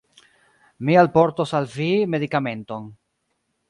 Mi alportos al vi medikamenton